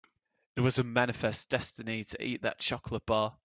It was her manifest destiny to eat that chocolate bar.